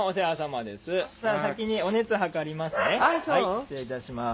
失礼いたします。